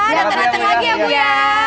datang datang lagi ya bu ya